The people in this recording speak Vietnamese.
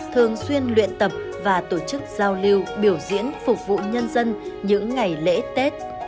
thường xuyên luyện tập và tổ chức giao lưu biểu diễn phục vụ nhân dân những ngày lễ tết